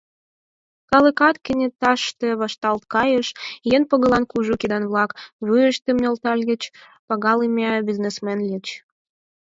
Калыкат кенеташте вашталт кайыш: еҥ погылан кужу кидан-влак вуйыштым нӧлтальыч, пагалыме бизнесмен лийыч.